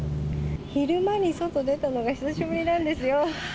昼間に外出たのが久しぶりなんですよ。